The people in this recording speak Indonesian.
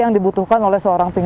yang dibutuhkan oleh seorang